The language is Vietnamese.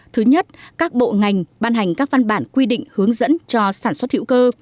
thứ nhất các bộ ngành ban hành các văn bản quy định hướng dẫn cho sản xuất hữu cơ